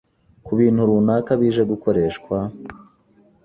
ku bintu runaka bije gukoreshwa